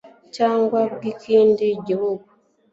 cyangwa bw ikindi gihugu